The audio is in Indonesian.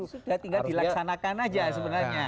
sudah tinggal dilaksanakan aja sebenarnya